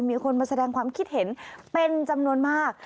มีคนมาแสดงความคิดเห็นเป็นจำนวนมาก